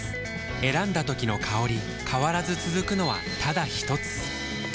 選んだ時の香り変わらず続くのはただひとつ？